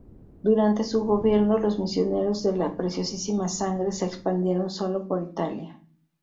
Durante su gobierno los Misioneros de la Preciosísima Sangre, se expandieron solo por Italia.